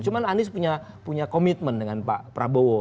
cuma anies punya komitmen dengan pak prabowo